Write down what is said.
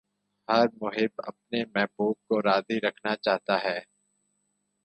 ہر محب اپنے محبوب کو راضی رکھنا چاہتا ہے